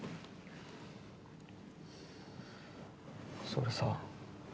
それでさ